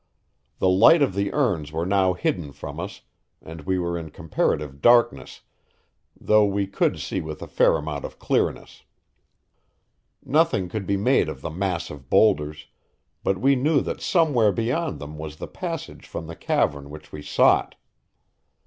The light of the urns were now hidden from us, and we were in comparative darkness, though we could see with a fair amount of clearness. Nothing could be made of the mass of boulders, but we knew that somewhere beyond them was the passage from the cavern which we sought.